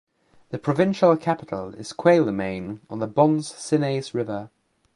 The provincial capital is Quelimane on the Bons Sinais River.